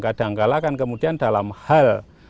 kadang kadang kemudian dalam hal